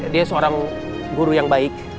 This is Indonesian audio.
dia seorang guru yang baik